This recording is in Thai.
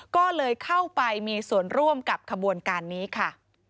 ก็เลยเข้าไปมีส่วนร่วมกับขบวนการนี้ค่ะ